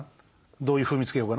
どういう風味付けようかな。